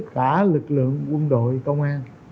cả lực lượng quân đội công an